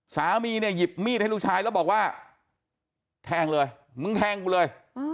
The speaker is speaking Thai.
สามีเนี่ยหยิบมีดให้ลูกชายแล้วบอกว่าแทงเลยมึงแทงกูเลย